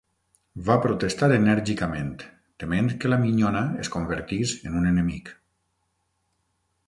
Va protestar enèrgicament, tement que la minyona es convertís en un enemic.